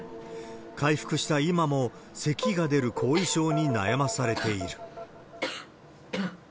回復した今もせきが出る後遺症に悩まされている。